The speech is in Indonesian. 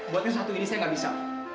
buatnya satu ini saya nggak bisa